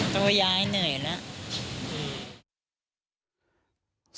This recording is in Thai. ตัวยายเหนื่อยล่ะ